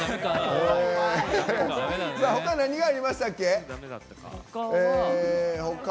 ほかに何がありましたっけ。